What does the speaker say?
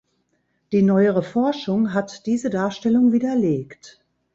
Die neuere Forschung hat diese Darstellung widerlegt.